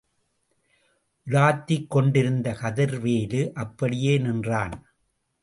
உலாத்திக் கொண்டிருந்த கதிர்வேலு, அப்படியே நின்றான்.